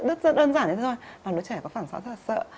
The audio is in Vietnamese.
đơn giản như thế thôi và đứa trẻ có phản xác rất là sợ